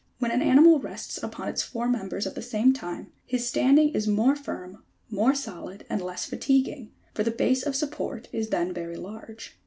When an animal rests upon its four members at the same time, his standing is more firm, more solid and less fatiguing: for the base of support is then very large.